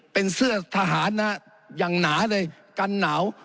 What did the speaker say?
เป็นเสื้อทหารนะอย่างหนาเลยกันหนาว